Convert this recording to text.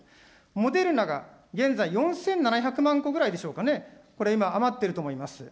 モデルナが現在４７００万個ぐらいでしょうかね、これ今、余っていると思います。